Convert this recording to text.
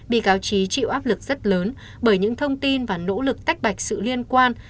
bị cáo trí chịu áp lực rất lớn bởi những thông tin và nỗ lực tách bạch sự liên quan